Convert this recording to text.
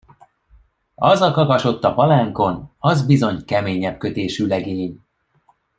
Az a kakas ott a palánkon, az bizony keményebb kötésű legény!